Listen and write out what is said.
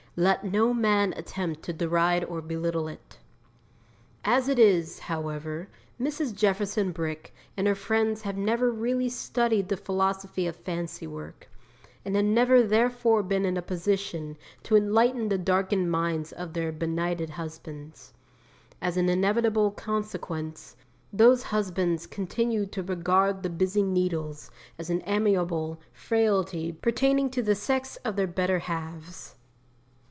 Let no man attempt to deride or belittle it. As it is, however, Mrs. Jefferson Brick and her friends have never really studied the Philosophy of Fancy work, and have never therefore been in a position to enlighten the darkened minds of their benighted husbands. As an inevitable consequence, those husbands continue to regard the busy needles as an amiable frailty pertaining to the sex of their better halves.